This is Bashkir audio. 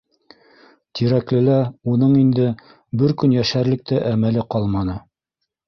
Тирәклелә уның инде бер көн йәшәрлек тә әмәле ҡалманы.